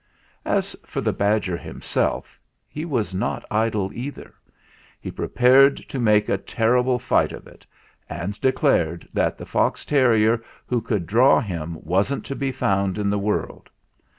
As for the badger himself, he was not idle either. He prepared to make a terrible fight of it, and declared that the fox terrier who THE SENTENCE 305 could draw him wasn't to be found in the world.